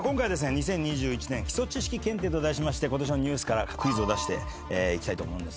２０２１年基礎知識検定と題しましてことしのニュースからクイズを出していきたいと思うんですけど。